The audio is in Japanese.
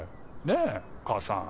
ねえ母さん。